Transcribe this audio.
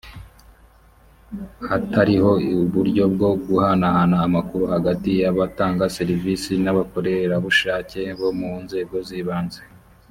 hatariho uburyo bwo guhanahana amakuru hagati y’abatanga serivisi n’ abakorerabushake bo mu nzego z’ibanze